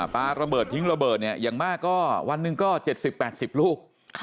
ปลาระเบิดทิ้งระเบิดเนี่ยอย่างมากก็วันหนึ่งก็๗๐๘๐ลูก